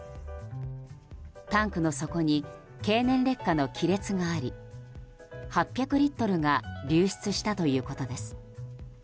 タンクの底に経年劣化の亀裂があり８００リットルが流出したということです。